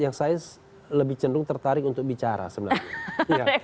yang saya lebih cenderung tertarik untuk bicara sebenarnya